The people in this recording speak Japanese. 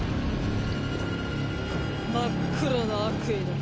真っ黒な悪意の塊。